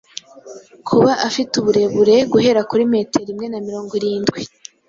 Kuba afite uburebure guhera kuri metero imwe namirogo irindwi